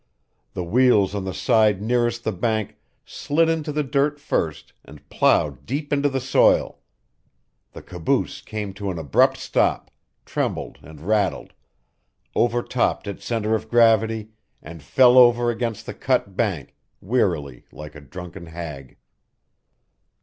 The wheels on the side nearest the bank slid into the dirt first and plowed deep into the soil; the caboose came to an abrupt stop, trembled and rattled, overtopped its centre of gravity, and fell over against the cut bank, wearily, like a drunken hag.